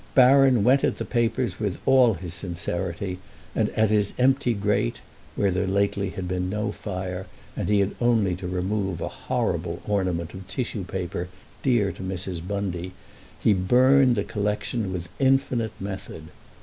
Baron went at the papers with all his sincerity, and at his empty grate (where there lately had been no fire and he had only to remove a horrible ornament of tissue paper dear to Mrs. Bundy) he burned the collection with infinite method.